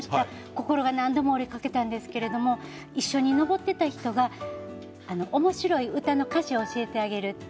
心が何度も折れかけたんですけれども一緒に登っていた人がおもしろい歌の歌詞を教えてあげるって。